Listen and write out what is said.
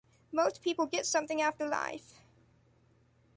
Most people get something after life.